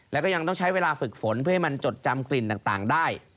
แล้วก็ยังต้องใช้เวลาฝึกฝนเพื่อให้มันจดจำกลิ่นต่างได้